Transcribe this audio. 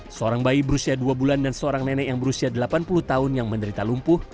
seorang bayi berusia dua bulan dan seorang nenek yang berusia delapan puluh tahun yang menderita lumpuh